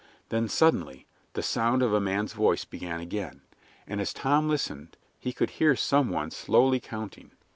Then suddenly the sound of a man's voice began again, and as Tom listened he could hear some one slowly counting.